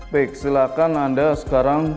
baik silahkan anda sekarang